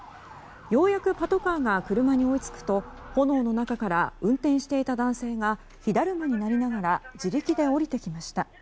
ようやくパトカーが車に追いつくと炎の中から運転していた男性が火だるまになりながら自力で降りてきました。